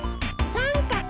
さんかく！